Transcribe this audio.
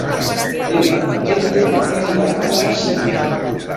Demà en Llop anirà a Garcia.